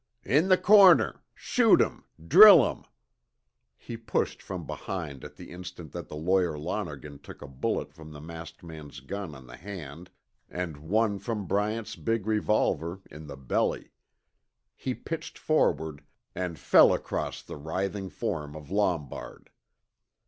"In the corner shoot 'em drill 'em!" He pushed from behind at the instant that the lawyer Lonergan took a bullet from the masked man's gun on the hand, and one from Bryant's big revolver in the belly. He pitched forward, and fell across the writhing form of Lombard.